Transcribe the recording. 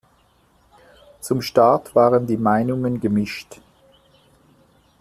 Zum Start waren die Meinungen gemischt.